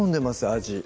味